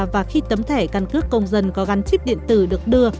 và khi tấm thẻ căn cước công dân có gắn chip điện tử được đưa